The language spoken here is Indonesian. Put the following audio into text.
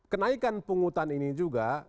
kenaikan penghutang ini juga